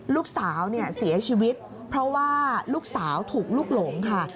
ลูกสาวเนี่ยเสียชีวิตเพราะว่าลูกสาวถูกลูกหลงค่ะ